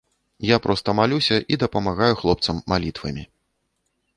Я проста малюся і дапамагаю хлопцам малітвамі.